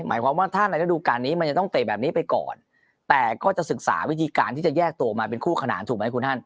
หมายความว่าถ้าในระดูการนี้มันจะต้องเตะแบบนี้ไปก่อนแต่ก็จะศึกษาวิธีการที่จะแยกตัวมาเป็นคู่ขนานถูกไหมคุณท่าน